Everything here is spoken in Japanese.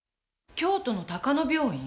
京都の高野病院？